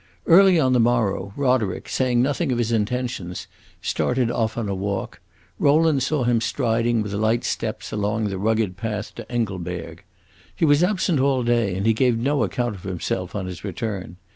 Early on the morrow Roderick, saying nothing of his intentions, started off on a walk; Rowland saw him striding with light steps along the rugged path to Engelberg. He was absent all day and he gave no account of himself on his return.